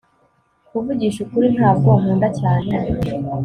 Kuvugisha ukuri ntabwo nkunda cyane